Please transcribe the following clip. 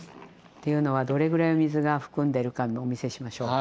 っていうのはどれぐらいの水が含んでるかお見せしましょう。